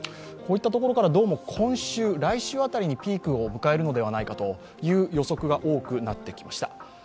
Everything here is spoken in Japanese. こういったところからどうも、今週、来週辺りにピークを迎えるのではないかという予測が多くなってきました。